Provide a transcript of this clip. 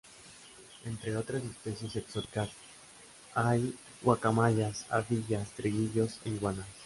Entre otras especies exóticas hay guacamayas, ardillas, tigrillos e iguanas.